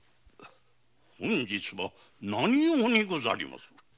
本日は何用にござります。